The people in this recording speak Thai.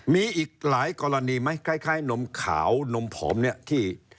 มีอีกหลายกรณีมั้ยใกล้นมขาวว่านมผอมนี่